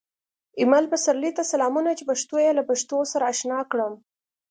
ایمل پسرلي ته سلامونه چې پښتو یې له پښتو سره اشنا کړم